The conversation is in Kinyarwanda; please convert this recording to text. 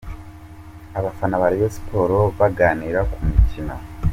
Abafana ba Rayon Sports baganira ku mukino.